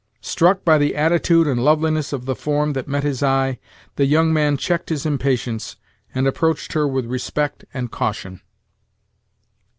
Struck by the attitude and loveliness of the form that met his eye, the young man checked his impatience, and approached her with respect and caution.